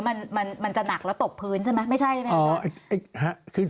มันมันจะหนักแล้วตกพื้นใช่ไหมไม่ใช่ใช่ไหม